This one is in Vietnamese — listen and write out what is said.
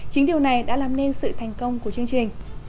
chính điều này đã làm nên sự thành công của chương trình